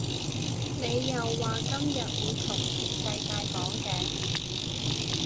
你又話你今日會同全世界講嘅